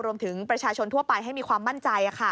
รวมถึงประชาชนทั่วไปให้มีความมั่นใจ